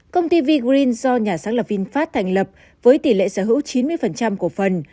công ty vigreen do nhà sáng lập vinfast thành lập với tỷ lệ sở hữu chín mươi của phần